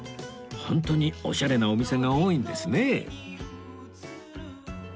本当にオシャレなお店が多いんですね